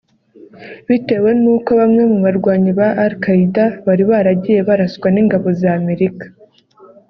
bitewe n’uko bamwe mu barwanyi ba Al Qaida bari baragiye baraswa n’ingabo za Amerika